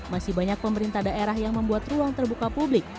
masih banyak pemerintah daerah yang membuat ruang terbuka publik